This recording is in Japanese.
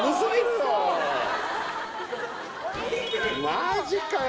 マジかよ